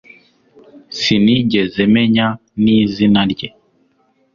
Sinigeze menya nizina rye